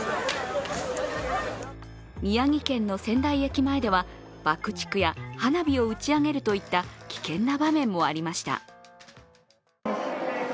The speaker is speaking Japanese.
宮城県の仙台駅前では爆竹や花火を打ち上げるといった危険な場面もありました。